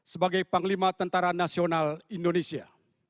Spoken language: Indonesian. sebagai panglima tentara nasional indonesia